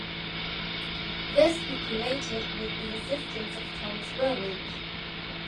This he created with the assistance of Thomas Berwick.